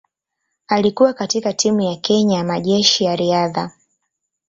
Alikuwa katika timu ya Kenya ya Majeshi ya Riadha.